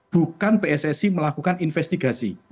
bukan pssi melakukan investigasi